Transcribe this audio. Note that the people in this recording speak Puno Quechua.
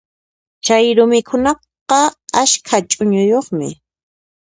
Chayru mikhunaqa askha ch'uñuyuqmi.